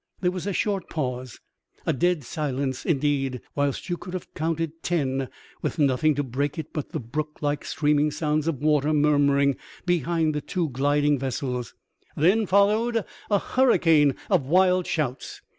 There was a short pause, a dead silence, indeed, whilst you could have counted ten, with nothing to break it but the brook like streaming sounds of water murmuring behind the two gliding vessels ; then followed a hurricane of wild shouts.